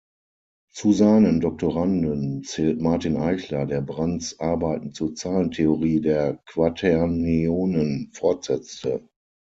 Zu seinen Doktoranden zählt Martin Eichler, der Brandts Arbeiten zur Zahlentheorie der Quaternionen fortsetzte.